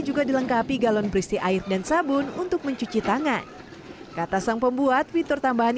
juga dilengkapi galon berisi air dan sabun untuk mencuci tangan kata sang pembuat fitur tambahan